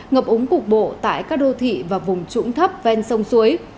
ngập úng cục bộ tại các đô thị và vùng trũng thấp ven sông suối